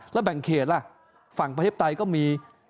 แล้วแบ่งเขตล่ะฝั่งประเทศไทยก็มี